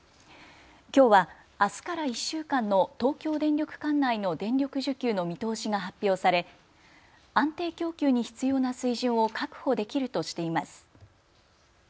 きょうはあすから１週間の東京電力管内の電力需給の見通しが発表され安定供給に必要な水準を確保できるとしています。